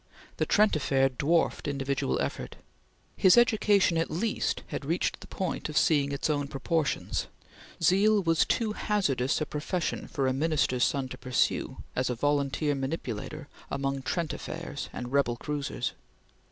The Trent Affair dwarfed individual effort. His education at least had reached the point of seeing its own proportions. "Surtout point de zele!" Zeal was too hazardous a profession for a Minister's son to pursue, as a volunteer manipulator, among Trent Affairs and rebel cruisers.